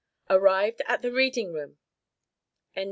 Arrived at the reading room N.